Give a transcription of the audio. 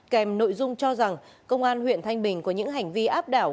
kèm nội dung cho rằng công an huyện thanh bình có những hành vi áp đảo